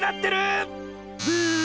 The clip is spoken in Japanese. ブー！